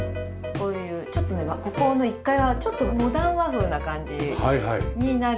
こういうちょっとここ１階はちょっとモダン和風な感じになるように考えたんですね。